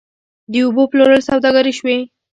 د اوبو پلورل سوداګري شوې؟